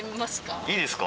いいですか？